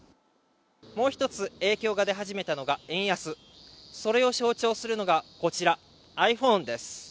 もう１つ影響が出始めたのが円安それを象徴するのがこちらｉＰｈｏｎｅです